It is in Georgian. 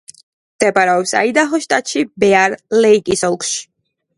მდებარეობს აიდაჰოს შტატში, ბეარ-ლეიკის ოლქში.